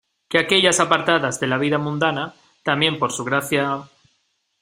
que aquellas apartadas de la vida mundana, también por su Gracia...